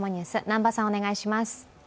南波さん、お願いします。